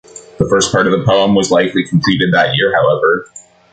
The first part of the poem was likely completed that year, however.